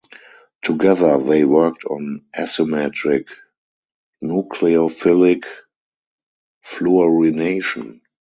Together they worked on asymmetric nucleophilic fluorination.